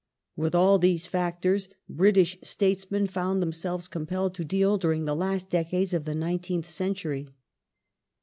With all these factoi s British statesmen found themselves compelled to deal during the last decades of the nineteenth century.